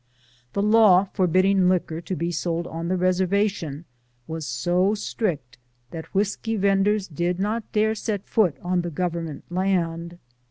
The law forbid ding liquor to be sold on the reservation was so strict that whiskey venders did not dare set foot on the Gov ernment land.